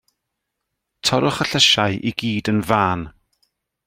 Torrwch y llysiau i gyd yn fân.